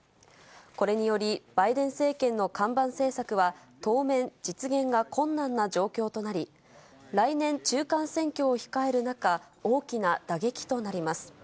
これにより、バイデン政権の看板政策は、当面、実現が困難な状況となり、来年、中間選挙を控える中、大きな打撃となります。